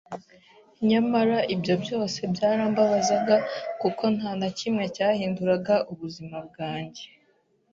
nyamara ibyo byose byarambabazaga kuko nta na kimwe cyahinduraga ubuzima bwanjye.